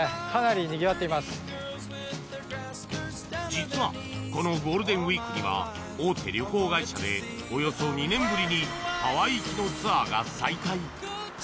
実はこのゴールデンウィークには大手旅行会社でおよそ２年ぶりにハワイ行きのツアーが再開。